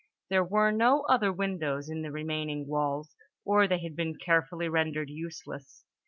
There were no other windows in the remaining walls; or they had been carefully rendered useless.